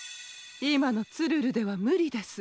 いまのツルルではむりです。